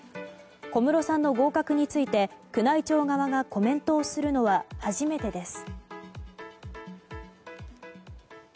小室さんの合格について宮内庁側がコメントをするのは初めてです。